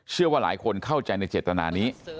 เชื่อว่าหลายคนเข้าใจในเจตนานี้